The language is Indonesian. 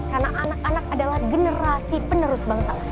karena anak anak adalah generasi penerus bangsa